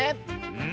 うん。